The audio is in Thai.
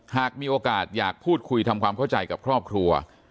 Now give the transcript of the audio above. หากมีโอกาสอยากพูดคุยทำความเข้าใจกับครอบครัว